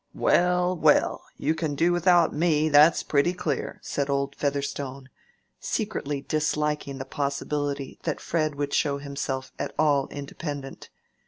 "Well, well, you can do without me, that's pretty clear," said old Featherstone, secretly disliking the possibility that Fred would show himself at all independent.